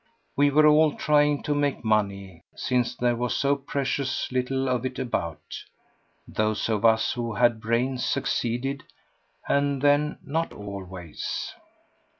We were all trying to make money, since there was so precious little of it about. Those of us who had brains succeeded, and then not always.